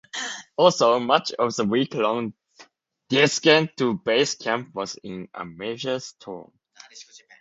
Also, much of the week-long descent to base camp was in a major storm.